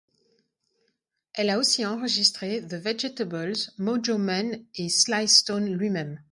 Elle a aussi enregistré The Vejetables, Mojo Men et Sly Stone lui-même.